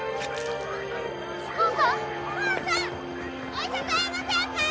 お医者さんいませんか！？